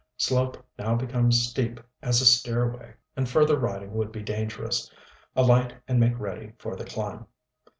Slope now becomes steep as a stairway, and further riding would be dangerous. Alight and make ready for the climb.